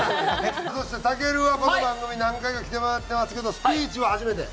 そしてたけるはこの番組何回か来てもらってますけどスピーチは初めて？